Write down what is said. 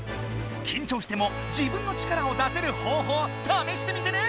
きんちょうしても自分の力を出せる方法をためしてみてね！